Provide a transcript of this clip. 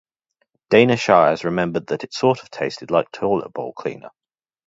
Dana Shires remembered that it sort of tasted like toilet bowl cleaner.